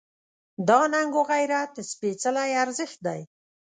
دا ننګ و غیرت سپېڅلی ارزښت دی.